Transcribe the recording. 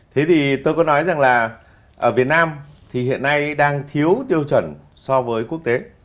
thế thì tôi có nói rằng là ở việt nam thì hiện nay đang thiếu tiêu chuẩn so với quốc tế